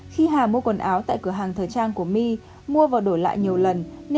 khi hà mua quần áo tại cửa hàng thời trang của my mua và đổi lại nhiều lần